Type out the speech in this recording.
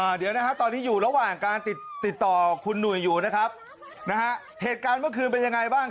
ส่วนในอยู่ระหว่างการติดต่อคุณหนุ่ย